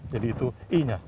jadi itu i nya